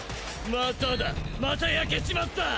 まただまた焼けちまった！